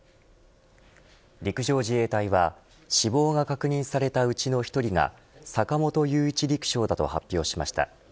陸上自衛隊は死亡が確認されたうちの１人が坂本雄一陸将だと発表しました。